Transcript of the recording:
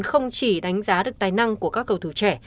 không chỉ đánh giá được tài năng của các cầu thủ trẻ